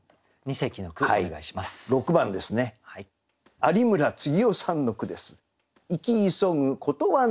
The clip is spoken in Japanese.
有村次夫さんの句です。